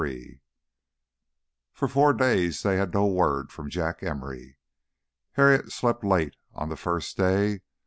XXIII For four days they had no word from Jack Emory. Harriet slept late on the first day.